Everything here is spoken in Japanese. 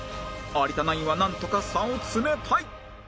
有田ナインはなんとか差を詰めたい